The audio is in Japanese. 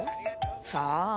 さあ？